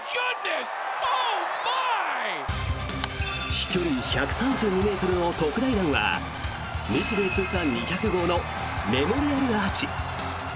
飛距離１３２ｍの特大弾は日米通算２００号のメモリアルアーチ。